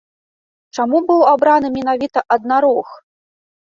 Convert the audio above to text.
Чаму быў абраны менавіта аднарог?